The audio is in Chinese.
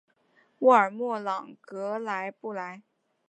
沃尔默朗格莱布莱。